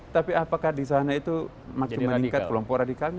tapi apakah di sana itu makin meningkat kelompok radikalnya